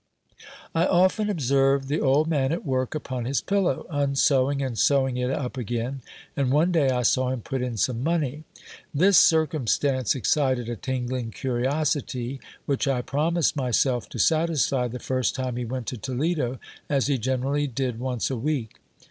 I often observed the old man at work upon his pillow, unsewing and sewing it up again ; and one day, I saw him put in some money. This circumstance excited a tingling curiosity, which I promised myself to satisfy the first time he went to Toledo, as he generally did once a week.